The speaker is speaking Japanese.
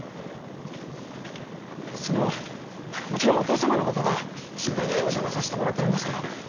そのもちろんお父さまのことが心配でお邪魔させてもらってるんですけど。